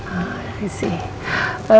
ah ini sih